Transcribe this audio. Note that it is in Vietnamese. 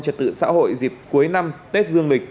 trật tự xã hội dịp cuối năm tết dương lịch